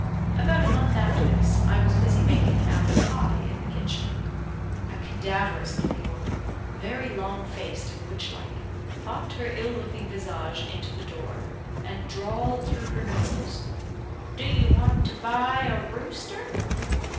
About a month after this, I was busy making an apple pie in the kitchen. A cadaverous looking woman, very long faced and witch like, popped her ill looking visage into the door, and drawled through her nose "Do you want to buy a rooster?"